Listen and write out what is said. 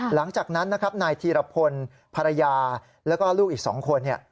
หลังจากนั้นนะครับนายธีรพลภรรยาแล้วก็ลูกอีก๒คน